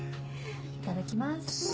いただきます。